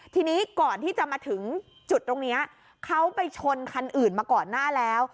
ทีนี้ก่อนที่จะมาถึงจุดตรงนี้เขาไปชนคันอื่นมาก่อนหน้าแล้ว